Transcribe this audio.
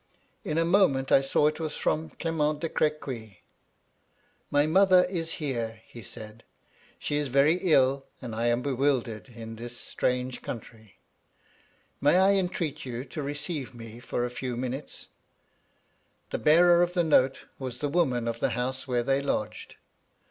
In a moment 1 saw It was from Clement de Crequy. * My mother is here,' he said :' she is very ill, and I am bewildered in this strange country. May I entreat you to receive me for a few MY LADY LUDLOW, 103 minutes 7 The bearer of the note was the woman of the house where they lodged.